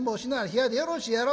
冷やでよろしいやろ」。